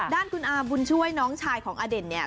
ด้านคุณอาบุญช่วยน้องชายของอเด่นเนี่ย